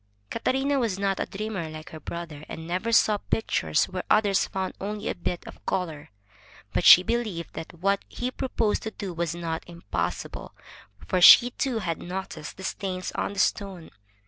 Catarina was not a dreamer like her brother, and never saw pictures where others found only a bit of color, but she believed that what he proposed to do was not impossible, for she too had noticed the stains on the stone.